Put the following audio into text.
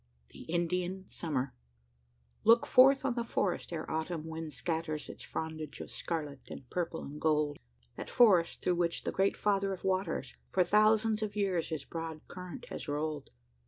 THE INDIAN SUMMER. Look forth on the forest ere autumn wind scatters Its frondage of scarlet, and purple, and gold: That forest, through which the great "Father of Waters" For thousands of years his broad current has rolled!